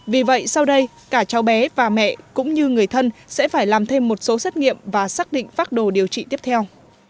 vì vậy sau đây cả cháu bé và mẹ cũng như người thân sẽ phải làm thêm một số xét nghiệm và xác định phác đồ điều trị tiếp theo